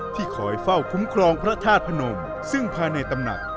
ที่คอยเฝ้าคุ้มครองพระธาตุพนมซึ่งภายในตำหนัก